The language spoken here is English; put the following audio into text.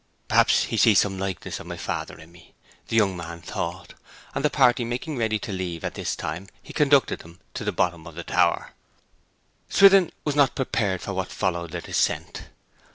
'Perhaps he sees some likeness of my father in me,' the young man thought; and the party making ready to leave at this time he conducted them to the bottom of the tower. Swithin was not prepared for what followed their descent.